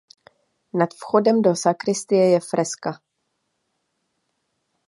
Nad vchodem do sakristie je freska.